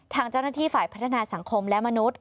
ทางเจ้าหน้าที่ฝ่ายพัฒนาสังคมและมนุษย